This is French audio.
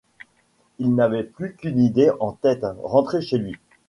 Il n’avait plus qu’une idée en tête : rentrer chez lui.